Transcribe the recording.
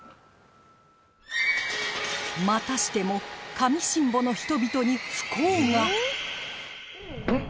またしても上新保の人々に不幸がん？